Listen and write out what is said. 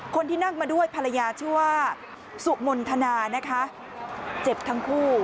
คนที่นั่งมาด้วยภรรยาชื่อว่าสุมนธนานะคะเจ็บทั้งคู่